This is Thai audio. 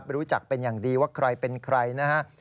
รู้จักเป็นอย่างดีว่าใครเป็นใครนะฮะ